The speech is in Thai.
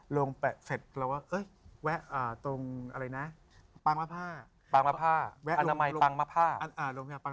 ลงไปเสร็จแล้วว่าเอ๊ะแวะตรงอะไรนะ